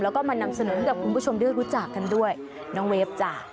แล้วก็มานำเสนอให้กับคุณผู้ชมได้รู้จักกันด้วยน้องเวฟจ้ะ